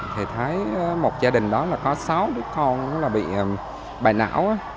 thầy thấy một gia đình đó là có sáu đứa con nó là bị bài não